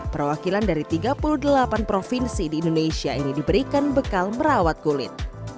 perwakilan dari tiga puluh delapan provinsi di indonesia ini diberikan bekal merawat kulit